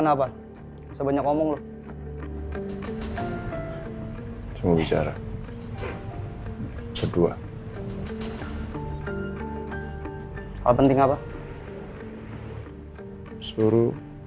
ngapain ya dia berhenti di situ